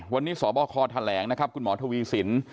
วันนี้สบคแถลงนะครับคุณหมอทวีสิน